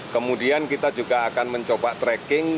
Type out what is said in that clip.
kemudian kita juga akan mencoba tracking